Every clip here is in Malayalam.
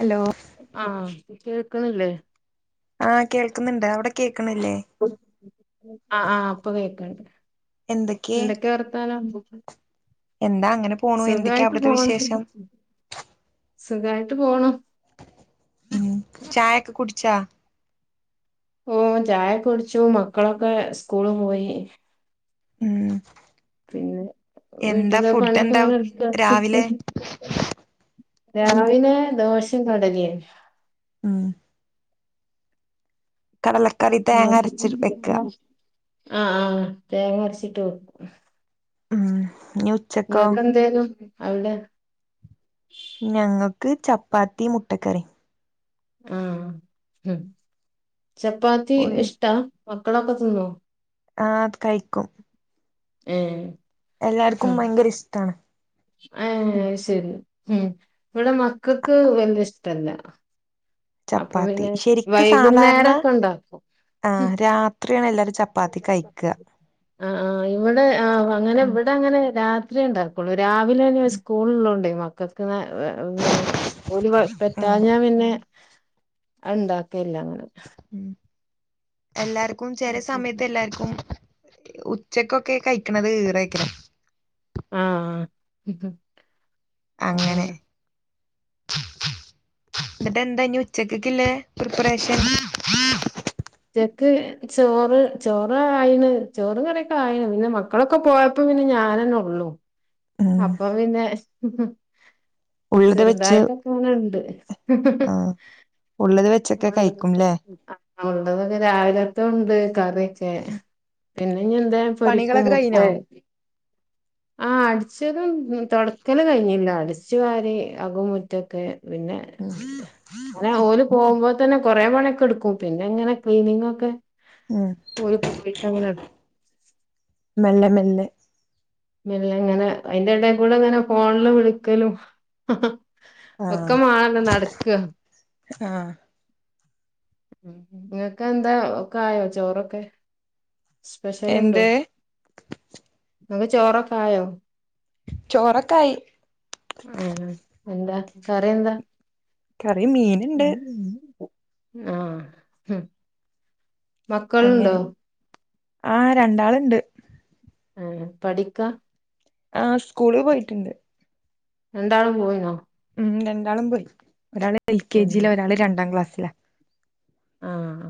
ഹലോ ആ കേൾക്ക്ണില്ലേ ആഹ് കേൾക്കുന്നുണ്ട് അവിടെ കേക്കണില്ലേ ആഹ് ആഹ് ഇപ്പം കേക്ക്ണ്ട് എന്തൊക്കെ വർത്താനം എന്താ അങ്ങനെ പോണു എന്തൊക്കെയാ സുഖായിട്ട് അവിടുത്തെ പോണ് വിശേഷം സുഖായിട്ട് പോണു ഉം ചായെക്കെ കുടിച്ചോ ഓ ചായ കുടിച്ചു മക്കളൊക്കെ സ്കൂള് പോയി ഉം പിന്നെ എന്താ വീട്ടില് ഫുഡ് പണിയൊക്കെ എന്താ ഇങ്ങനെ രാവിലെ [unintelligible] രാവിലെ ദോഷേം കടലയും ഉം കടലക്കറി തേങ്ങ അരച്ച് വെക്കുക ആഹ് ആഹ് തേങ്ങ അരച്ചിട്ട് വെക്കും ഉം ഇനി ഉച്ചക്കോ നിങ്ങക്കെന്തേര്ന്നു അവിടെ ഞങ്ങക്ക് ചപ്പാത്തി മുട്ടക്കറി ആഹ് ചപ്പാത്തി ഇഷ്ടാ നിങ്ങളൊക്കെ തിന്നുവോ ആഹ് കഴിക്കും ആഹ് എല്ലാർക്കും ഭയങ്കര ഇഷ്ടാണ് ആഹ് ശരി ഉം ഇവിടെ മക്കക്ക് വല്യ ഇഷ്ടല്ല അപ്പൊ ചപ്പാത്തി പിന്നെ ശരിക്ക് സാധാരണ വൈകുന്നേരൊക്കെ ഉണ്ടാക്കും ആ രാത്രിയാണ് എല്ലാരും ചപ്പാത്തി കഴിക്കുക ആ ആഹ് ഇവിടെ ആ അങ്ങനെ ഉം ഇവിടെ അങ്ങനെ രാത്രി ഉണ്ടാക്കുള്ളൂ രാവിലെ തന്നെ സ്കൂള് ഉള്ളോണ്ടേ മക്കക്ക് [unintelligible] ഒരു ഉം [unintelligible] പിന്നെ ഉണ്ടാക്കയില്ലങ്ങനെ ഉം എല്ലാർക്കും ചെറിയ സമയത്ത് എല്ലാർക്കും ഉച്ചക്കൊക്കെ കഴിക്കണത് [unintelligible] ആ ഉം അങ്ങനെ എന്നിട്ട് എന്താ ഇനി ഉച്ചക്കക്കില്ലേ പ്രിപ്പറേഷൻ ക്ക് ചോറ് ചോറ ആയിന് ചോറും കറിക്കെ ആയി പിന്നെ മക്കളൊക്കെ പോയപ്പോ പിന്നെ ഞാ ൻ തന്നെ ഉള്ളൂ ഉം അപ്പൊ പിന്നെ ഉള്ളത് വെച്ച് ചെറുതായിട്ടൊക്കെനുണ്ട് ആ ഉള്ളത് വെച്ചൊക്കെ കഴിക്കുംല്ലേ ഉള്ളതൊക്കെ രാവിലത്ത ഉണ്ട് കറിയൊക്കെ പിന്നെ ഇനി എന്താ പൊരിക്കും പണികളൊക്കെ മുട്ട കഴിഞ്ഞോ ആ അടിച്ചതും തുടക്കല് കഴിഞ്ഞില്ല അടിച്ചു വാരി അകും മുറ്റൊക്കെ പിന്നെ ഉം അങ്ങനെ ഓല് പോകുമ്പോ തന്നെ കൊറെ പണിക്കെ എടുക്കും പിന്നെ എങ്ങനെക്ലീനിങ് ഒക്കെ ഉം ഓരു പോയിട്ട് അങ്ങനെ മെല്ലെ മെല്ലെ പിന്ന ഇങ്ങനെ അയിന്റെ ഇട കൂടെ ഇങ്ങനെ ഫോണിൽ വിളിക്കലും ഒക്കെ ആഹ് മാണല്ലൊ നടക്ക ആഹ് നിങ്ങക്ക് എന്താ ഒക്ക ആയോ ചോറൊക്കെ സ്പെഷ്യൽ ഇണ്ടോ എന്ത് നിക്ക് ചോറൊക്കെ ആയോ ചോറക്കായി ആ എന്താ കറിയെന്താ കറി മീന്ണ്ട് ആഹ് മക്കളുണ്ടോ അങ്ങനെ ആഹ് രണ്ടാളുണ്ട് ആ പഠിക്കാ ആഹ് സ്കൂള് പോയിട്ടുണ്ട് രണ്ടാളും പോയിനോ ഉം രണ്ടാളും പോയി ഒരാള് എൽ കെ ഉം ജിയിലെ ഒരാള് രണ്ടാം ക്ലാസില ആഹ്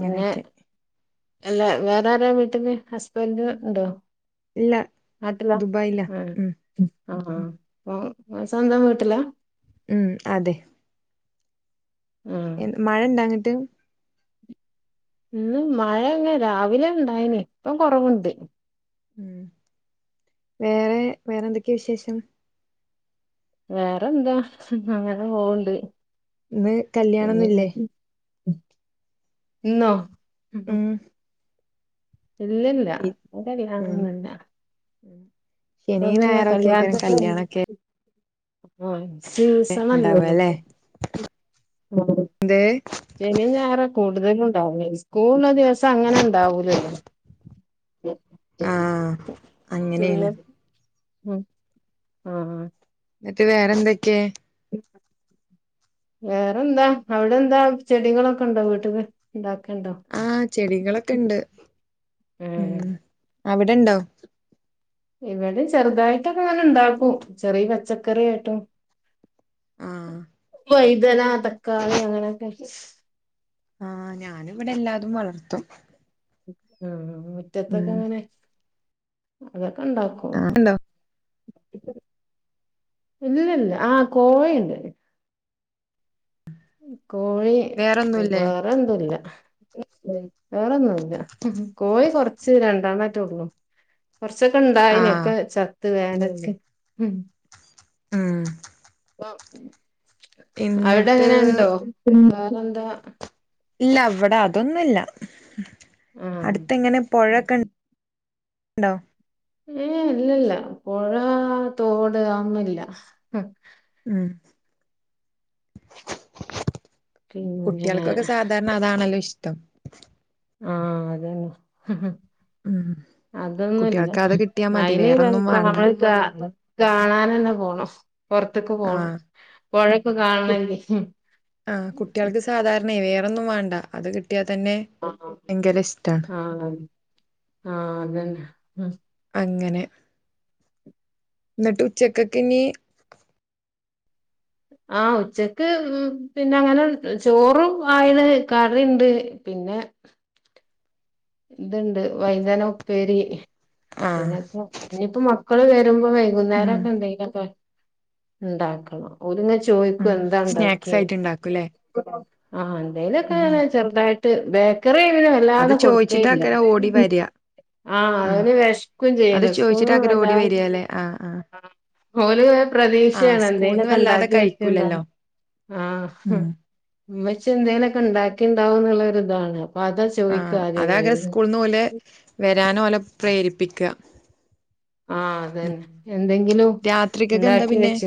പിന്നെ അല്ല വേറെരാ വീട്ടില് ഹസ്ബന്റ് ഉണ്ടോ ഇല്ല നാട്ടില ദുബായിലാ ആഹ ഉം ആഹ അപ്പം സ്വന്തം വീട്ടില ഉം അതെ ആഹ് എ മഴ ഇണ്ടാങ്ങിട്ട് ഇന്ന് മഴ അങ്ങെ രാവിലെ ഉണ്ടായിന ഇപ്പം കൊറവുണ്ട് ഉം വേറെ വേറെന്തൊക്കെയാ വിശേഷം വേറെന്താ അങ്ങനെ പോവണ്ട് ഇന്ന് കല്യാണൊന്നും ഇല്ലേ ഇന്നോ ഉം ഇല്ലില്ല ഇന്ന് കല്യാണം ഒന്നുമില്ല ഉ ശനിയും ഞായറൊക്കെ ഒക്കെ കല്യാണൊക്കെ ആഹ സീസണല്ലല്ലോ ഇണ്ടാവല്ലെ എന്ത് ശനിയും ഞയറും കൂടുതൽ കൂടുതല ഉണ്ടാവുന്നത് സ്കൂളുള്ള ദിവസം അങ്ങനെ ഉണ്ടാവൂലല്ലോ ഉം ആഹ് അങ്ങനേണ് പിന്നെ ആഹ ആഹ എന്നിട്ട് വേറെന്തൊക്കെയെ വേറെന്താ അവിടെ എന്താ ചെടികളൊക്കെ ഉണ്ടോ വീട്ടില് ഇണ്ട ആഹ് ചെടികളൊക്കെ ഇണ്ട് ഉം ഏഹ് അവിടെണ്ടോ ഇവിടെ ചെറുതായിട്ടൊക്കെ അങ്ങനെ ഉണ്ടാക്കും ചെറിയ പച്ചക്കറായിട്ടോ ആഹ വഴുതന തക്കാളി അങ്ങനെയൊക്കെ ആഹ ഞാൻ ഇവിടെ എല്ലാതും വളർത്തും ആ മുറ്റത്തൊക്കെ ഉം അങ്ങനെ അത ഉണ്ടാക്കോ ആഹ് ഉണ്ടോ ഇല്ലില്ല ആഹ കോഴിയുണ്ട് കോഴി വേറൊന്നുല്ലേ വേറെ ഒന്നുല്ല വേറൊന്നുംല്ല കോഴി കൊറച്ച് രണ്ടെണ്ണായിട്ട ഉള്ളു കുറച്ചൊക്കെ ഇണ്ടായിന ആഹ് ഒക്കെ ചത്ത് വേനലിലെ ഉം അവിടെ എന്നിട്ട് എങ്ങനെണ്ടോ കാരണം എന്താ ഇല്ല അവിടെ അതൊന്നുമല്ല ആഹ് അടുത്തങ്ങനെ പുഴൊക്കെണ്ട് ണ്ടോ ഏ ഇല്ല ഇല്ല പുഴ തോട് അതൊന്നുംല്ല ഉം പിന്നെ കുട്ടികൾക്കൊക്കെ സാധാരണ അതാണല്ലോ ഇഷ്ടം ആഹ അതന്നെ ഉം അതൊന്നുമില്ല കുട്ടികൾക്ക് അത് കിട്ടിയാ മതി അയിന് വേറൊന്നും വേണ്ട നമ്മള് കാ കാണൻ തന്നെ പോണം പുറത്തേക്ക് പോണം ആഹ് പൊഴൊക്കെ കു കാണണെങ്കി ആ കുട്ടികൾക്ക് സാധാരണയ വേറൊന്നും വേണ്ട അത് കിട്ട യ തന്നെ ആഹ് ഭയങ്കര ഇഷ്ടമാണ് ആഹ അതന്നെ അങ്ങനെ എന്നിട്ട് ഉച്ചക്കൊക്കെ ഇനീ ആ ഉച്ചക്ക് പിന്നെ അങ്ങനെ ചോറും ആയിത് കറിണ്ട് പിന്നെ ഇതുണ്ട് വഴുതനം ഉപ്പേരി ആഹ് പിന്നെ ഇപ്പ മക്കള് വരുമ്പോ ഉം വൈകുന്നേരംക്കെ എന്തെങ്കിലുംക്ക ഉണ്ടാക്കണം ഒങ്ങെ ചോദ ഉം എന്താ സ്നാക്സ് ഉണ്ടാക്കിയേ ആയിട്ട് ഉണ്ടാക്കൂല്ലേ ആ എന്തേലൊക്കെ ഉം ചെറുതായിട്ട് ബേക്കറി ഇനും വല്ലാതെ കൊടു വച്ചിട്ട് അക്കന ഓടി വരിയാ ആഹ അന് വിഷക്കും ചെയ്യല സ്കൂ ചോദിച്ചിട്ടാക്കര വല്ലാ ഓടി വരികല്ലേ ആഹ് ആഹ് ഓല ആഹ് പ്രതീക്ഷയാണ് സ്കൂൾന്ന് എന്തേലൊക്കെ വല്ലാതെ ഉണ്ടാക്കി വെച്ചിണ്ടോ കഴിക്കൂലല്ലോ ആ ഉം മ്മച്ചി എന്തേലൊക്കെ ഉണ്ടാക്കിണ്ടാവോന്നുള്ളൊരു അപ്പ അതാ ചോയ്ക്കാ ആഹ് അതാകെ സ്കൂൾന്ന് ഓലെ വരാനോ ഓലെ പ്രേരിപ്പിക്ക ആ അതന്നെ എന്തെങ്കിലും രാത്രിക്കൊക്കെ എന്താ ഉണ്ടാക്കി പിന്നെ വെച്ചു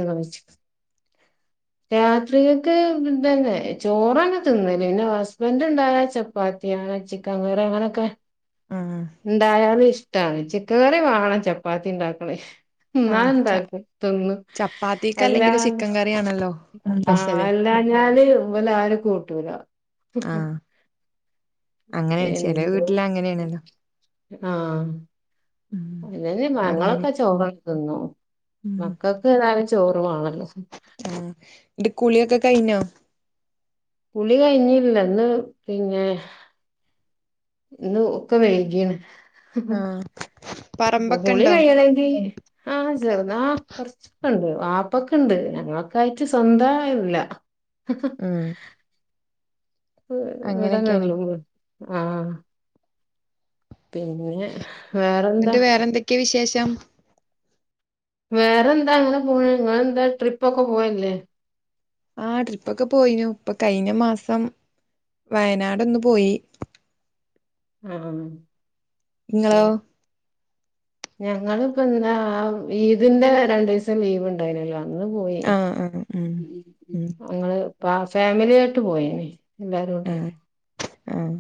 രാത്രികേക്ക് ഇതന്നെ ചോറാണ് തിന്നല് പിന്നെ ഹസ്ബൻറ് ണ്ടായ ചപ്പാത്തി പിന്നെ ചിക്കൻ കറി അങ്ങനെക്കെ ആഹ് ണ്ടായാലുംഷ്ടാ ചിക്കൻ കറി വാണം ചപ്പാത്തി ഉണ്ടാക്കണെ ഹ് ആഹ് ച ന്നാന്താക്ക ത് ന്നു ചപ്പാത്തിക്ക് എല്ലാ അല്ലെങ്കിൽ ചിക്കൻ കറിയാണല്ലോ ആ സ്പെഷ്യല് എല്ലാഞ്ഞാല് വെലാരും കൂട്ടൂല ഉ ഹം ആഹ് അങ്ങനെ ചെല വീട്ടില് അങ്ങനെയാണല്ലോ ആ അല്ലല് അങ്ങനെ ഞങ്ങളൊക്കെ ചോറൊക്കെതിന്നു മക്കൾക്ക് ഏതാനും ചോറു വാണം ആ ന്റെ കുളിയൊക്കെ കഴിഞ്ഞോ കുളി കഴിഞ്ഞില്ലന്ന് പിന്നേ ഇന്ന് ഒക്കെ വേകീണ് ആ കുളി കയ്യെണെങ്കിൽ ആഹ് ചെറുതാ കൊർച്ചൊക്കെണ്ട് വാപ്പക്ക്ണ്ട് ഞങ്ങൾക്കക്കായിട്ട് സ്വന്തല്ല ആ വിടനള്ളൂ ആ പിന്നെ വേറെന്താ? ജം വേറെന്താ അങ്ങനെ പോണ് നിങ്ങെന്താ ട്രിപ്പൊക്കെ പോകൽല്ലേ ആ ട്രിപ്പൊക്കെ പോയിനു ഇപ്പൊ കഴിഞ്ഞ മാസം വയനാടൊന്നു പോയി ആ ങ്ങളോ? ഞങ്ങള്പ്പന്തിനാ ഈദിന്റെ രണ്ട് ദിവസം ലീവ്ണ്ടായിനല്ലോ ങ്ങൾ പോയി ആഹ് ആഹ് ഉം ഉം ഞങ്ങള് ഫാ ഫാമിലിയായിട്ട് പോയി എല്ലാരൂടിയും ആഹ് ആഹ്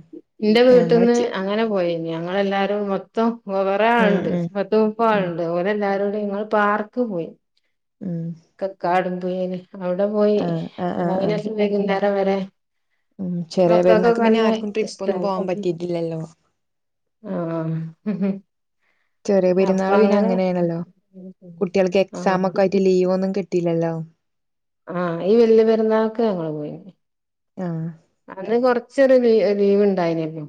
ന്റെ ഞങ്ങള് വീട്ടിൽന്ന് ചെ അങ്ങനെ പോയി ഞങ്ങളെല്ലാരും മൊത്തം കുറേ ഉം ആൾണ്ട് ഉം പത്തുമുപ്പ ഉം ആളുണ്ട് ഓലെല്ലാരും ങ്ങൾ പാർക്ക് പോയി ഉം കക്കാടുംപുയൽ അവിടെ പോയി ആഹ് ആഹ് ആഹ് രാവിലെ ആഹ് തൽച്ച് വൈകുന്നേരം വരെ ഉം ചെറിയ മക്കക്കൊക്കെ പെരുന്നാക്ക് പിന്നെ നല്ല ആർക്കും ഇഷ്ട ട്രിപ്പൊന്നും പോകാൻ ആഹഹ് പറ്റിയിട്ടില്ലല്ലോ ഹ് ചെറിയ പെരുന്നാൾ പിനെ അങ്ങനെയാണല്ലോ കുട്ടികൾക്ക് ആഹ് എക്സാമൊക്കെ ആയിട്ട് ലീവൊന്നും കിട്ടില്ലല്ലോ ആ ഈ വല്യ പെരുന്നാൾക്ക് ഞങ്ങള് പോയി ആ അതിന് കൊറച്ചൊരു ലീ ലീവ്ണ്ടായിന്യല്ലോ.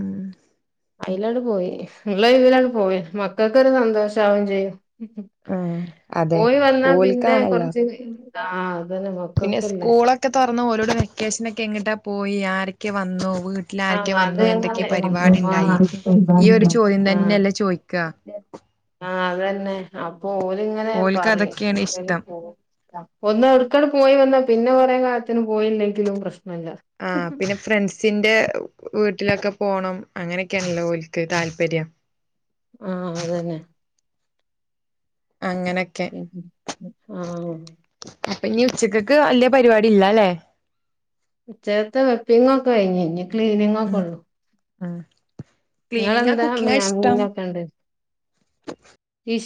ഊം യിലടെ പോയി. ഇള്ളെ ഒയിവിലട് പോയി മക്കൾക്കൊരു സന്തോഷാവും ചെയ്യും. ആഹ് അതെ പോയി വന്നാ പിന്നെ ഓൽക്കാണല്ലോ കൊർച്ച് ആ പിന്നെ സ്കൂളൊക്കെ തൊർന്നു ഓരോട് വെക്കേഷൻലൊക്കെ എങ്ങിട്ടാ പോയി ആരൊക്കെ വന്നു വീട്ടിൽ ആഹ് ആരൊക്കെ അത് വന്നു എന്തൊക്കെ ഞങ്ങള് പരിപാടിണ്ടായി ഈ ആഹ് ഒരു ചോദ്യം തന്നെയല്ലേ ചോദിക്കാ [unintelligible] ആ അതെന്നെ അപ്പൊ ഓലിങ്ങനെ ഓൽക്ക് പറയും അതൊക്കെയാണ് ഇഷ്ടം എന്തും അപ്പ ഒന്ന് അക്കടെ പോയി വന്നാ പിന്നെ കുറേ കാലത്തിന് പോയില്ലെങ്കിലും പ്രശ്നല്ല ആഹ് പിന്നെ ഫ്രണ്ട്സിന്റെ വീട്ടിലൊക്കെ പോണം അങ്ങനൊക്കെയാണല്ലോ ഓൽക്ക് താല്പര്യം ആ അതന്നെ. അങ്ങനൊക്കെ പിൻ ആ ഇപ്പ ഇനി ഉച്ചക്കക്ക് വല്ലിയ പരിപാടി ഇല്ലാല്ലേ. ഉച്ചക്കത്ത വെപ്പിങ്ങൊക്കെ കഴിഞ് ഇഞ്ഞി ക്ലീനിങ്ങക്കൊള്ളു. ആ ക്ലീനിങ്ങാ കുക്കിങ്ങാ ഇഷ്ടം? മീനൊക്കെ ഉണ്ട് ഫിഷ്